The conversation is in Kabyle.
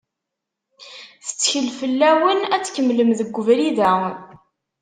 Tettkel fell-awen ad tkemlem deg ubrid-a.